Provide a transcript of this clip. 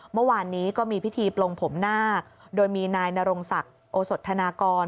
เมื่อวานนี้ก็มีพิธีปลงผมนาคโดยมีนายนรงศักดิ์โอสธนากร